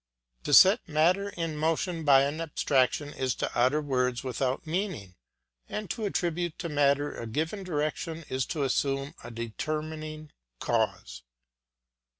To set matter in motion by an abstraction is to utter words without meaning, and to attribute to matter a given direction is to assume a determining cause.